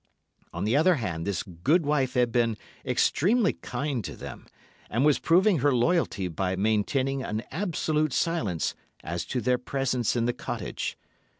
On the other hand this gude wife had been extremely kind to them, and was proving her loyalty by maintaining an absolute silence as to their presence in the cottage.